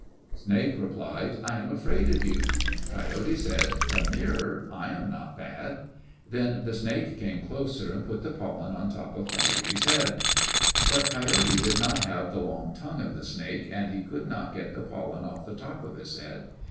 Snake replied, "I am afraid of you." Coyote said, "Come nearer. I am not bad." Then the snake came closer and put the pollen on top of Coyote's head. But Coyote did not have the long tongue of the snake and he could not get the pollen off the top of his head.